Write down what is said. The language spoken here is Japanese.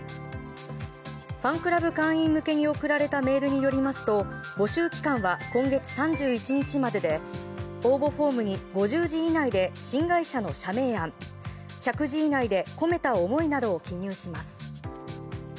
ファンクラブ会員向けに送られたメールによりますと募集期間は今月３１日までで応募フォームに５０字以内で新会社の社名案１００字以内で込めた思いなどを記入します。